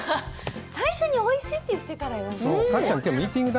最初においしいって言ってからじゃないとね。